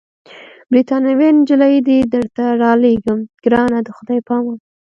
بریتانوۍ نجلۍ دي درته رالېږم، ګرانه د خدای په امان.